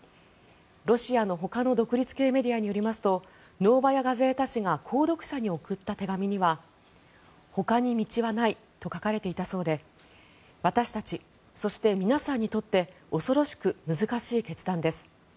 ロシアのほかの独立系メディアによりますとノーバヤ・ガゼータ紙が購読者に送った手紙にはほかに道はないと書かれていたそうで私たち、そして皆さんにとって恐ろしく難しい決断です